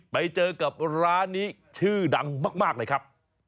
ไปเจอกับร้านนี้ชื่อดังมากเลยครับ